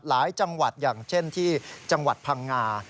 หลายจังหวัดอย่างเช่นที่จังหวัดพังงา